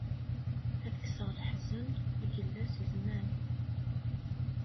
Ad kkseɣ leḥzen, i yella si zzman.